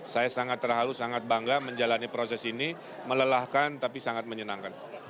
saya sangat terhalu sangat bangga menjalani proses ini melelahkan tapi sangat menyenangkan